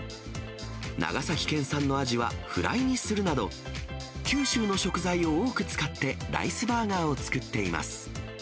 長崎県産のアジはフライにするなど、九州の食材を多く使ってライスバーガーを作っています。